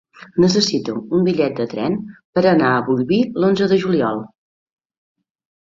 Necessito un bitllet de tren per anar a Bolvir l'onze de juliol.